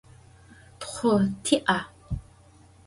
Txhu ti'a?